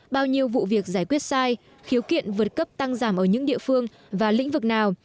bao nhiêu vụ việc giải quyết sai khiếu kiện vượt cấp tăng giảm ở những địa phương và lĩnh vực nào